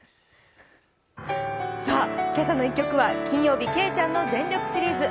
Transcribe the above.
今朝の１曲は金曜日けいちゃんの全力シリーズ。